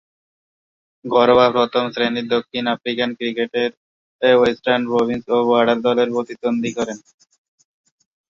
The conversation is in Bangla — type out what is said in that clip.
ঘরোয়া প্রথম-শ্রেণীর দক্ষিণ আফ্রিকান ক্রিকেটে ওয়েস্টার্ন প্রভিন্স ও বর্ডার দলের প্রতিনিধিত্ব করেন।